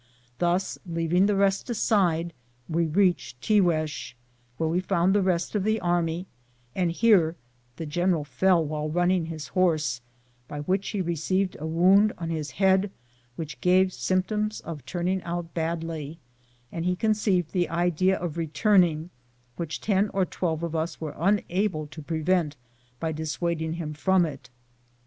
Thus, leaving the rest aside, we reached Tiguez, where we found the rest of the army, and here the general fell while running his horse, by which he received a wound on his head which gave symptoms of turning out badly, and he conceived the idea of returning, which ten or twelve of us were unable to prevent by dissuading him from it.